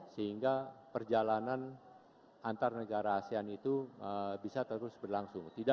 sehingga perjalanan antar negara asean itu bisa terus berlangsung